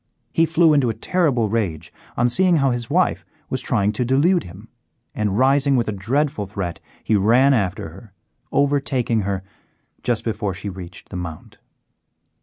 He flew into a terrible rage on seeing how his wife was trying to delude him, and, rising with a dreadful threat, he ran after her, overtaking her just before she reached the Mount.